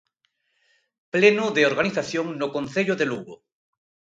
Pleno de organización no concello de Lugo.